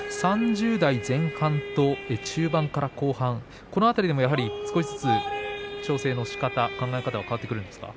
３０代前半と中盤から後半この辺りでも少しずつ、調整のしかた考え方は変わってきますか？